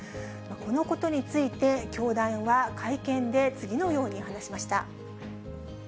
このことについて教団は会見で、次のように話しました。